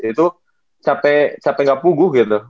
itu capek capek gak punggu gitu